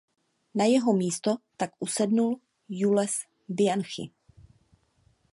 Na jeho místo tak usedl Jules Bianchi.